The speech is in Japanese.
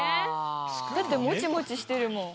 だってモチモチしてるもん。